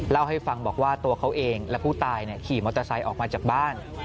เล่าให้ฟังบอกว่าตัวเขาเองและผู้ตายขี่มอเตอร์ไซค์ออกมาจากบ้าน